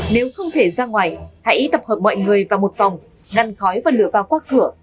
nếu không thể ra ngoài hãy tập hợp mọi người vào một phòng ngăn khói và lửa vào qua cửa